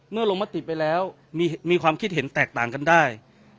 ลงมติไปแล้วมีความคิดเห็นแตกต่างกันได้